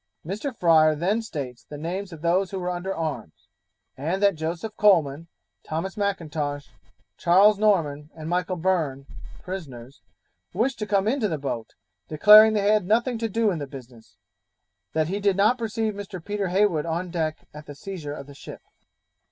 Mr. Fryer then states the names of those who were under arms; and that Joseph Coleman, Thomas M'Intosh, Charles Norman, and Michael Byrne (prisoners), wished to come into the boat, declaring they had nothing to do in the business; that he did not perceive Mr. Peter Heywood on deck at the seizure of the ship.